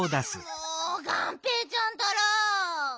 もうがんぺーちゃんったら。